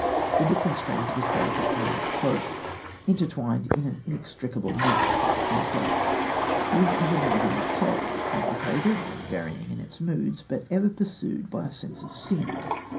The different strands of his character are "intertwined in an inextricable knot." His is a living soul, complicated and varying in its moods, but ever pursued by a sense of sin.